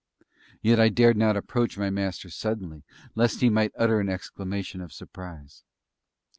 Yet I dared not approach my Master suddenly, lest he might utter an exclamation of surprise.